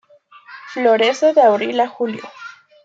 Florece de Abril a Julio.